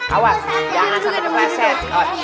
awas jangan sampai kepleset